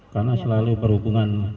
karena selalu berhubungan